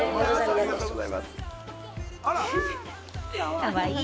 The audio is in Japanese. かわいい。